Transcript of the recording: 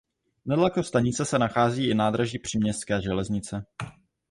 Nedaleko stanice se nachází i nádraží příměstské železnice.